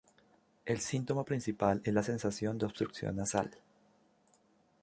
El síntoma principal es la sensación de obstrucción nasal.